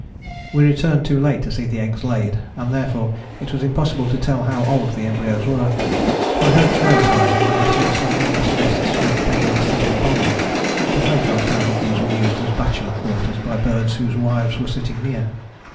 We returned too late to see the eggs laid, and therefore it was impossible to tell how old the embryos were. My hopes rose, however, when I saw some eggless nests with penguins sitting upon them, but later I found that these were used as bachelor quarters by birds whose wives were sitting near.